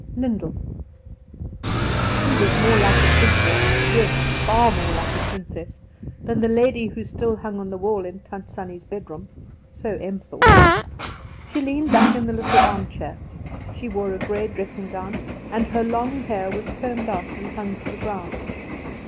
Lyndall. She was more like a princess, yes, far more like a princess, than the lady who still hung on the wall in Tant Sannie's bedroom. So Em thought. She leaned back in the little armchair; she wore a grey dressing gown, and her long hair was combed out and hung to the ground.